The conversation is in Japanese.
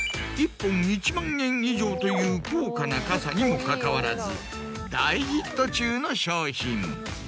１本１万円以上という高価な傘にもかかわらず大ヒット中の商品。